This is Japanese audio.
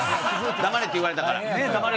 黙れって言われたから。